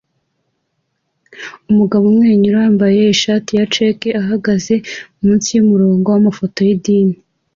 Umugabo umwenyura wambaye ishati ya cheque ahagaze munsi yumurongo wamafoto yidini